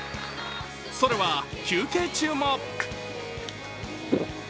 それは休憩中も。